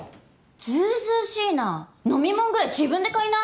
ずうずうしいな飲み物ぐらい自分で買いな！